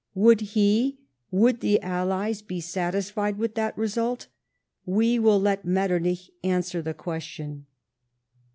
Would he, would the Allies, be sati.<fied with that result? Vie will let Metternich answer the question.